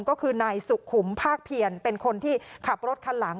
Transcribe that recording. ก็คือนายสุขุมภาคเพียรเป็นคนที่ขับรถคันหลัง